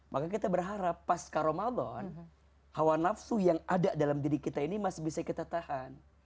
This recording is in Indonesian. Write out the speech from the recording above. maka kita berharap pasca ramadan hawa nafsu yang ada dalam diri kita ini masih bisa kita tahan